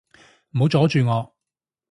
唔好阻住我